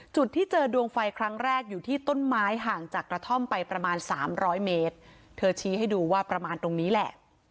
จุดที่เจอดวงไฟครั้งแรกอยู่ที่ต้นไม้ห่างจากกระท่อมไปประมาณสามร้อยเมตรเธอชี้ให้ดูว่าประมาณตรงนี้แหละ